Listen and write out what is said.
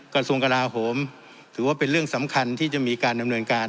กระทรวงกราโหมถือว่าเป็นเรื่องสำคัญที่จะมีการดำเนินการ